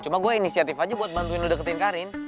cuma gua inisiatif aja buat bantuin lo deketin karin